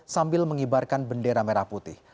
sambil mengibarkan bendera merah putih